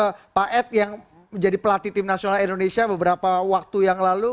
ke pak ed yang menjadi pelatih tim nasional indonesia beberapa waktu yang lalu